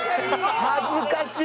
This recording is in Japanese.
恥ずかしい！